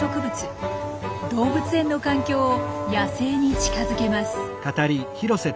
動物園の環境を野生に近づけます。